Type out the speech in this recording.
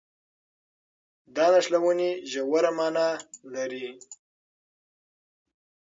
دا نښلونې ژوره مانا لري.